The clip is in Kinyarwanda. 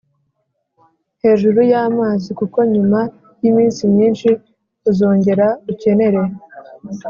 Hejuru y amazi kuko nyuma y iminsi myinshi uzongera ukenere